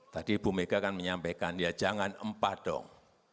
tadi bu mega kan menyampaikan ya jangan empah dong